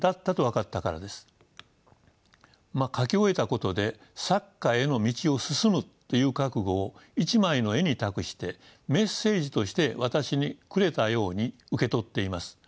描き終えたことで作家への道を進むという覚悟を「一枚の絵」に託してメッセージとして私にくれたように受け取っています。